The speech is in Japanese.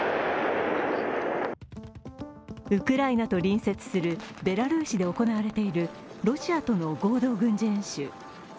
ウクライナと隣接するベラルーシで行われているロシアとの合同軍事演習。